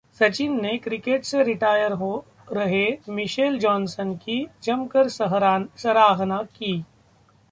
सचिन ने क्रिकेट से रिटायर हो रहे मिशेल जॉनसन की जमकर सराहना की